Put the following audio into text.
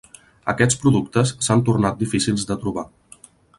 Aquests productes s'han tornat difícils de trobar.